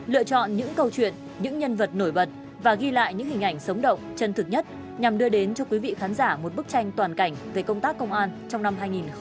lựa chọn những câu chuyện những nhân vật nổi bật và ghi lại những hình ảnh sống động chân thực nhất nhằm đưa đến cho quý vị khán giả một bức tranh toàn cảnh về công tác công an trong năm hai nghìn hai mươi ba